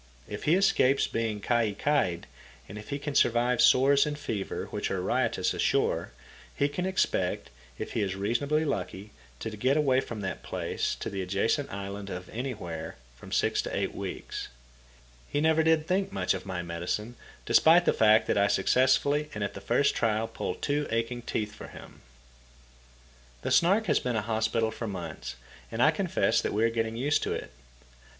If he escapes being kai kai'd, and if he can survive sores and fever which are riotous ashore, he can expect, if he is reasonably lucky, to get away from that place to the adjacent island in anywhere from six to eight weeks. He never did think much of my medicine, despite the fact that I successfully and at the first trial pulled two aching teeth for him. The Snark has been a hospital for months, and I confess that we are getting used to it.